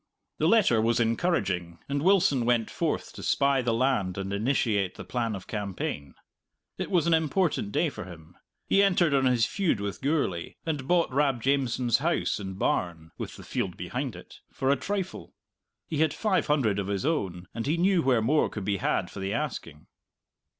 The letter was encouraging, and Wilson went forth to spy the land and initiate the plan of campaign. It was an important day for him. He entered on his feud with Gourlay, and bought Rab Jamieson's house and barn (with the field behind it) for a trifle. He had five hundred of his own, and he knew where more could be had for the asking.